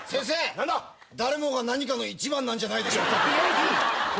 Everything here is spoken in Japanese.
誰もが何かの１番なんじゃないでしょうか？